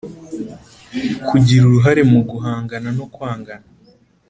Kugira uruhare mu guhangana no kwangana